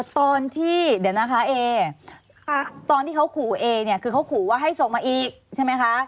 ตอนที่เดี๋ยวนะคะเอตอนที่เขาขู่เอเนี่ยคือเขาขู่ว่าให้ส่งมาอีกใช่ไหมคะ